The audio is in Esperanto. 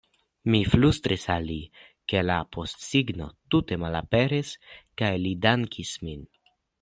Mi flustris al li, ke la postsigno tute malaperis kaj li dankis min.